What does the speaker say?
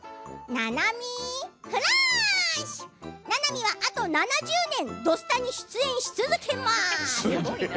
ななみは、あと７０年「土スタ」に出演し続けます。